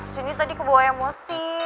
sindi tadi kebawa emosi